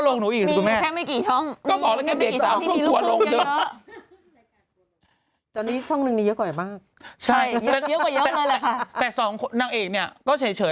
รูปครึ่งช่องเดียวกัน